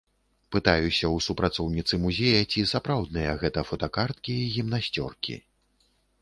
Пытаюся ў супрацоўніцы музея, ці сапраўдныя гэта фотакарткі і гімнасцёркі?